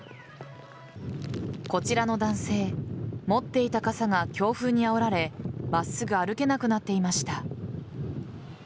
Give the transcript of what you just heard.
こちらの男性持っていた傘が強風にあおられ真っすぐ歩けなくなっていました。